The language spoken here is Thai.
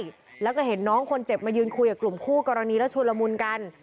แล้วก็เห็นน้องคนเจ็บมายืนคุยกับกลุ่มคู่กรณีแล้วชุดละมุนกัน